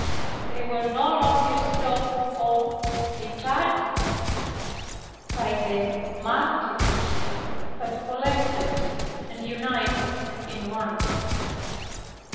They were no longer stopped or retarded by the multiplicity, but collected and united in one.